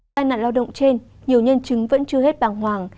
tai nạn lao động trên nhiều nhân chứng vẫn chưa hết bàng hoàng